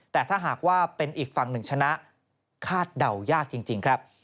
แต่ถ้าหากว่าเป็นอีกฝั่งหนึ่งชนะคาดเดายากจริงครับ